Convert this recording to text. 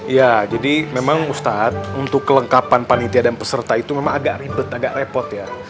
ya jadi memang ustadz untuk kelengkapan panitia dan peserta itu memang agak ribet agak repot ya